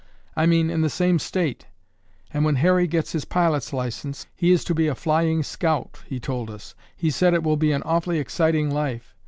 I mean, in the same state, and when Harry gets his pilot's license, he is to be a flying scout, he told us. He said it will be an awfully exciting life.